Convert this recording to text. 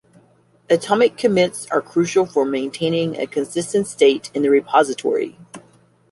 Atomic commits are crucial for maintaining a consistent state in the repository.